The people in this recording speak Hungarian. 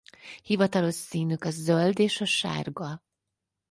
Hivatalos színük a zöld és a sárga.